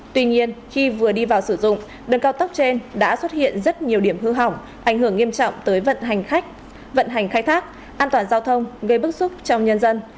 tuy nhiên khi vừa đi vào sử dụng đường cao tốc trên đã xuất hiện rất nhiều điểm hư hỏng ảnh hưởng nghiêm trọng tới vận hành khách vận hành khai thác an toàn giao thông gây bức xúc trong nhân dân